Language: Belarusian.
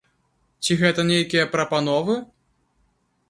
Ці гэта нейкія прапановы?